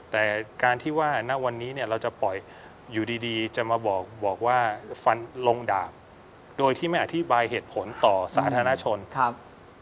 แต่การที่ว่าณวันนี้เนี่ยเราจะปล่อยอยู่ดีจะมาบอกว่าฟันลงดาบโดยที่ไม่อธิบายเหตุผลต่อสาธารณชนครับ